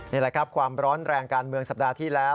นี่แหละครับความร้อนแรงการเมืองสัปดาห์ที่แล้ว